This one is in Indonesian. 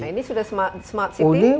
nah ini sudah smart city